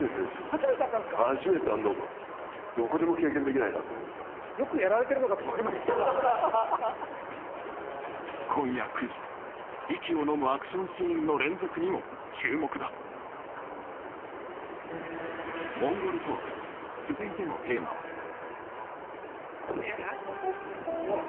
初めてだったんですか初めてあんなどこでも経験できないなと思ってよくやられてるのかと思いました今夜９時息をのむアクションシーンの連続にも注目だモンゴルトーク続いてのテーマはあっ